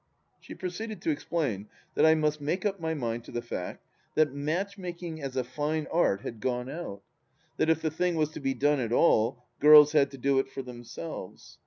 She proceeded to explain that I must make up my mind to the fact that Matchmaking, as a fine art, had gone out; that if the thing was to be done at all, girls had to do it for themselves.